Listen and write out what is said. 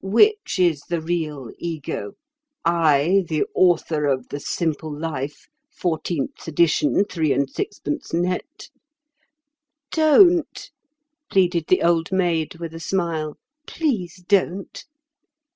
"Which is the real ego—I, the author of 'The Simple Life,' fourteenth edition, three and sixpence net—" "Don't," pleaded the Old Maid, with a smile; "please don't."